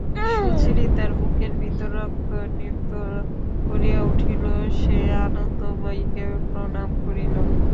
সুচরিতার বুকের ভিতরে রক্ত নৃত্য করিয়া উঠিল–সে আনন্দময়ীকে প্রণাম করিল।